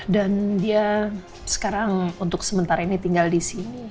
dan dia sekarang untuk sementara ini tinggal disini